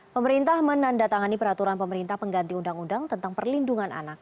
pemerintah menandatangani peraturan pemerintah pengganti undang undang tentang perlindungan anak